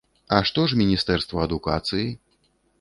А што ж міністэрства адукацыі?